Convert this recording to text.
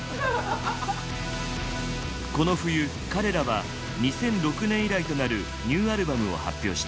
この冬彼らは２００６年以来となるニューアルバムを発表した。